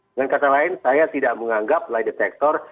dengan kata lain saya tidak menganggap light detector